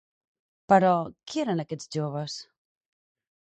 Però, qui eren aquests joves?